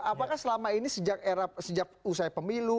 apakah selama ini sejak usai pemilu